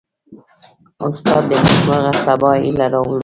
استاد د نیکمرغه سبا هیله راولي.